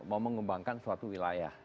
mau mengembangkan suatu wilayah